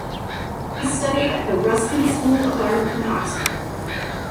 He studied at the Ruskin School of Art in Oxford.